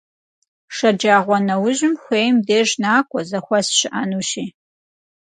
Шэджагъуэнэужьым хуейм деж накӀуэ, зэхуэс щыӀэнущи.